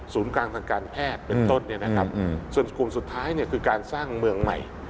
กลางทางการแพทย์เป็นต้นเนี่ยนะครับส่วนกลุ่มสุดท้ายเนี่ยคือการสร้างเมืองใหม่